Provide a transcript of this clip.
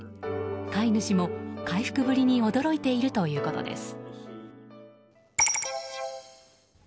飼い主も回復ぶりに驚いているということです。